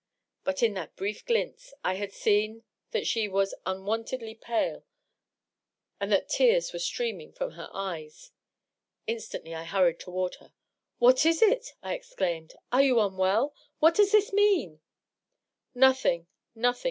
But in that brief glimpse I had seen that she was unwontedly pale and that tears were streaming &om her eyes. Instantly I hurried toward her. " What is it?" I exclaimed. " Are you unwell? What does this mean?" " Nothing — notliing